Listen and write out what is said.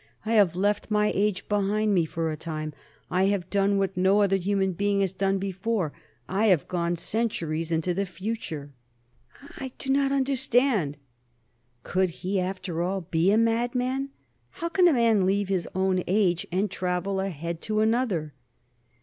I have left my age behind me for a time; I have done what no other human being has ever done: I have gone centuries into the future!" "I I do not understand." Could he, after all, be a madman? "How can a man leave his own age and travel ahead to another?"